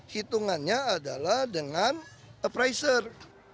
hitungannya adalah dengan appraiser